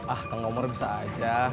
ah kang ngomor bisa aja